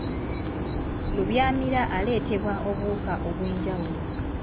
Lubyamira aleetebwa obuwuka obw'enjawulo.